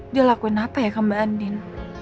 dia lakuin apa ya ke mbak andin